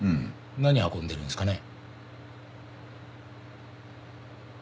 何運んでるんですかね？